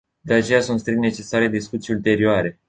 De aceea sunt strict necesare discuții ulterioare.